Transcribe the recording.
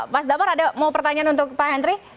mas damar ada mau pertanyaan untuk pak henry